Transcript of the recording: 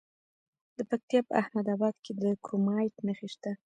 د پکتیا په احمد اباد کې د کرومایټ نښې شته.